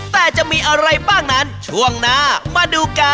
แต่จะมีอะไรบ้างนั้นช่วงหน้ามาดูกัน